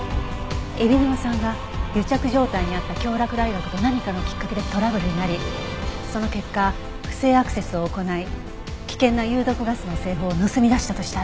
海老沼さんが癒着状態にあった京洛大学と何かのきっかけでトラブルになりその結果不正アクセスを行い危険な有毒ガスの製法を盗み出したとしたら。